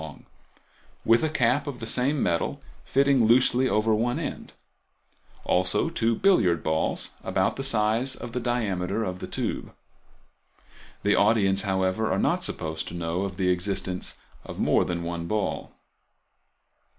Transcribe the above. long, with a cap of the same metal fitting loosely over one end; also two billiard balls about the size of the diameter of the tube. The audience, however, are not supposed to know of the existence of more than one ball.